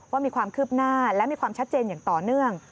ว่ามีความคืบหน้าและมีความชัดเจนอย่างต่อเนื่อง